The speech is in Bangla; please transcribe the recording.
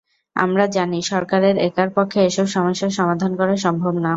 আমরা জানি, সরকারের একার পক্ষে এসব সমস্যার সমাধান করা সম্ভব না।